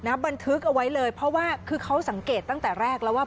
บันทึกเอาไว้เลยเพราะว่าคือเขาสังเกตตั้งแต่แรกแล้วว่า